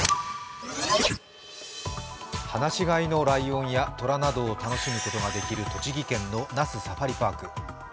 放し飼いのライオンや虎などを楽しむことができる栃木県の那須サファリパーク。